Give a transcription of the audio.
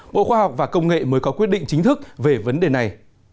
bộ khoa học và công nghệ mới có quyết định chính thức về vấn đề này